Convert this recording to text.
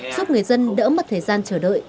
giúp người dân đỡ mất thời gian chờ đợi